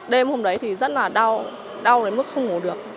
đêm hôm đấy thì rất là đau đến mức không ngủ được